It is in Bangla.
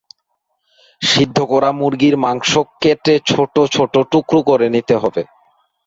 সিদ্ধ করা মুরগীর মাংস কেটে ছোট ছোট টুকরো করে নিতে হবে।